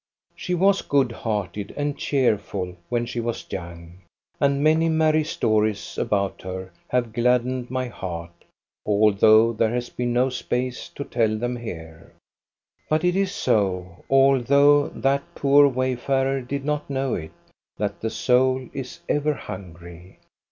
She was good hearted and cheer ful when she was young, and many merry stories about her have gladdened my heart, although there has been no space to tell them here. But it is so, although that poor wayfarer did not know it, that the soul is ever hungry.